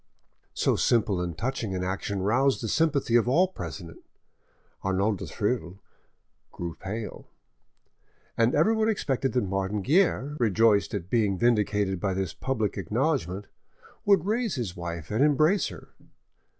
So simple and touching an action roused the sympathy of all present; Arnauld du Thill grew pale, and everyone expected that Martin Guerre, rejoiced at being vindicated by this public acknowledgment, would raise his wife and embrace her.